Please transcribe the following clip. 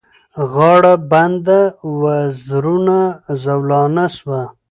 غاړه بنده وزرونه زولانه سوه